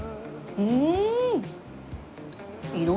うん。